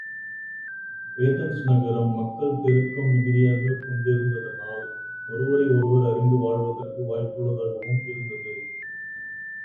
Athens, நகரம், மக்கள் தெருக்கம் மிகுதியாகக் கொண்டிருந்ததனால், ஒருவரை ஒருவர் அறிந்து வாழ்வதற்கு வாய்ப்புள்ளதாகவும் இருந்தது.